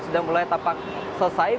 sudah mulai tapak selesai